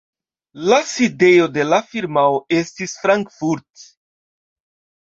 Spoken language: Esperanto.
La sidejo de la firmao estis Frankfurt.